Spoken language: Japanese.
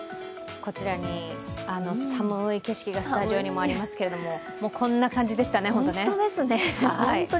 こちらに、寒い景色がスタジオにもありますけれども、こんな感じでしたね、本当に。